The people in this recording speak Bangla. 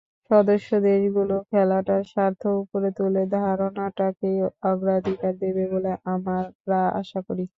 সদস্যদেশগুলো খেলাটার স্বার্থ ওপরে তুলে ধরাটাকেই অগ্রাধিকার দেবে বলে আমরা আশা করি।